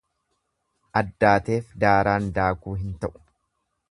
Addaateef daaraan daakuu hin ta'u.